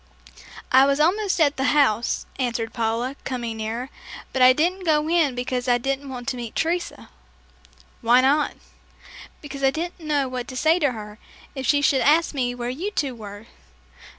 "I was almost at the house," answered Paula, coming nearer, "but I didn't go in because I didn't want to meet Teresa." "Why not?" "Because I didn't know what to say to her, if she should ask me where you two were."